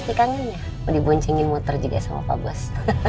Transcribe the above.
pasti kangen ya mau diboncingin motor juga sama pak bos